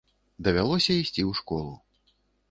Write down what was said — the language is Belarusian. Давялося ісці ў школу.